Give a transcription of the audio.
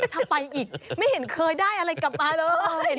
ถ้าไปอีกไม่เห็นเคยได้อะไรกลับมาเลย